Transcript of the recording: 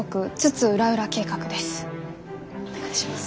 お願いします。